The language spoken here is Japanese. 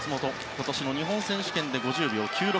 今年の日本選手権で５０秒９６。